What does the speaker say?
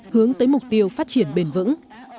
hướng tới mục tiêu phát triển bền vững